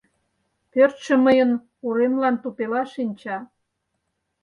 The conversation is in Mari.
Пӧртшӧ мыйын уремлан тупела шинча.